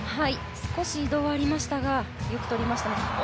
少し移動がありましたがよくとりましたね。